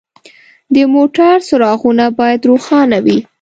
د موټر څراغونه باید روښانه وي.